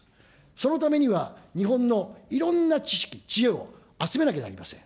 そのためには、日本のいろんな知識、知恵を集めなきゃなりません。